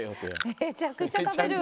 めちゃくちゃたべる。